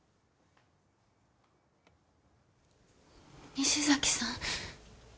西崎さん。